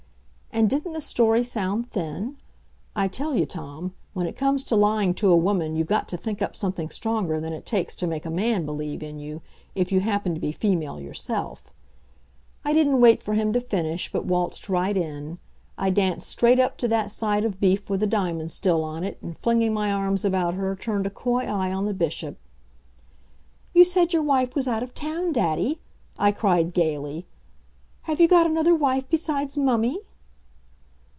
And didn't the story sound thin? I tell you, Tom, when it comes to lying to a woman you've got to think up something stronger than it takes to make a man believe in you if you happen to be female yourself. I didn't wait for him to finish, but waltzed right in. I danced straight up to that side of beef with the diamonds still on it, and flinging my arms about her, turned a coy eye on the Bishop. "You said your wife was out of town, daddy," I cried gaily. "Have you got another wife besides mummy?"